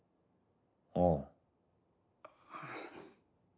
ああ。